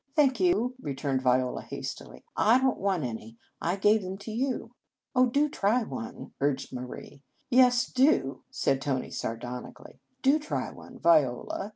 " Thank you," returned Viola has tily. " I don t want any. I gave them to you." " Oh, do try one !" urged Marie. " Yes, do !" said Tony sardonically. " Do try one, Viola.